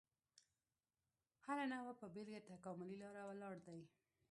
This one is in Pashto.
هره نوعه په بېله تکاملي لاره ولاړ دی.